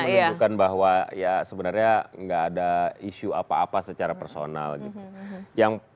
menunjukkan bahwa ya sebenarnya nggak ada isu apa apa secara personal gitu